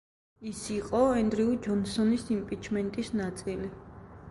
ის იყო ენდრიუ ჯონსონის იმპიჩმენტის ნაწილი.